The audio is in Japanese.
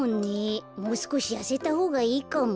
もうすこしやせたほうがいいかも。